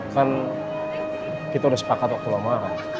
kan kita udah sepakat waktu lama